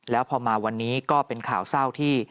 แล้วพอมาวันนี้ก็เป็นข่าวเศร้าที่